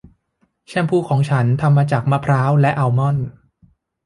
แชมพูของฉันทำมาจากมะพร้าวและอัลมอนด์